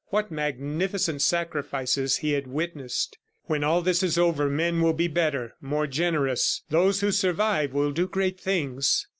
What magnificent sacrifices he had witnessed! "When all this is over, men will be better ... more generous. Those who survive will do great things."